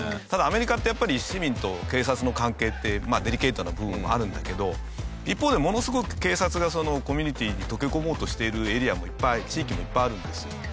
ただアメリカってやっぱり市民と警察の関係ってデリケートな部分はあるんだけど一方でものすごく警察がコミュニティーに溶け込もうとしているエリアもいっぱい地域もいっぱいあるんですよ。